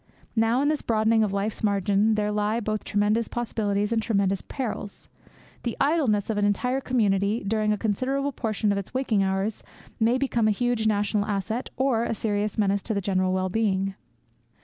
Now in this broadening of life's margin there lie both tremendous possibilities and tremendous perils. The idleness of an entire community during a considerable proportion of its waking hours may become a huge national asset or a serious menace to the general wellbeing.